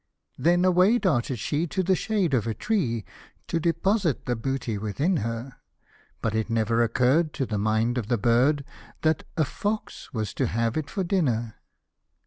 Then away darted she, to the shade of a tree, To deposit the booty within her ; But it never occur'd to the mind of the bird That a fox was to have it for dinner.